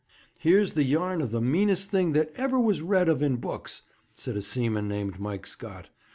'Here's the yarn of the meanest thing that ever was read of in books,' said a seaman named Mike Scott.